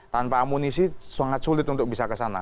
tanpa amunisi sangat sulit untuk bisa kesana